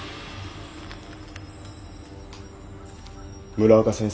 村岡先生